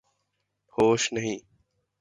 ہوش نہیں